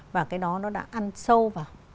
và cái đó nó đã ăn sâu vào